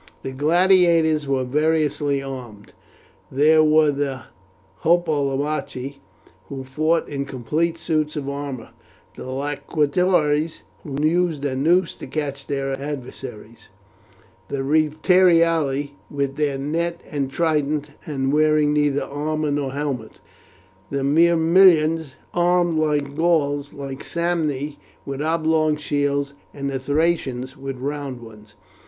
The gladiators were variously armed. There were the hoplomachi, who fought in complete suits of armour; the laqueatores, who used a noose to catch their adversaries; the retiarii, with their net and trident, and wearing neither armour nor helmet; the mirmillones, armed like the Gauls; the Samni, with oblong shields; and the Thracians, with round ones.